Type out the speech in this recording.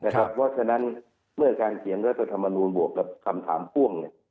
เพราะฉะนั้นเมื่อการเขียนรัฐธรรมนูลบวกกับคำถามพ่วง